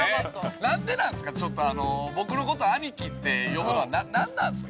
なんでなんすか、ちょっと僕のこと、アニキって呼ぶのは何なんすか。